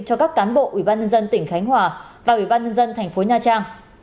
cho các cán bộ ủy ban nhân dân tỉnh khánh hòa và ủy ban nhân dân thành phố nha trang